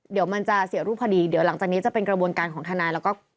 เดี๋ยวมันจะเสียรูปคดีเดี๋ยวหลังจากนี้จะเป็นกระบวนการของทนายแล้วก็